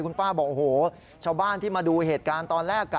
คุณป้าบอกโอ้โหชาวบ้านที่มาดูเหตุการณ์ตอนแรก